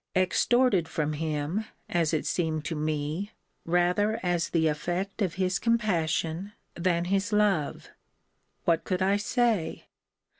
Extorted from him, as it seemed to me, rather as the effect of his compassion than his love? What could I say?